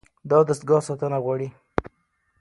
دا دستګاه ساتنه غواړي.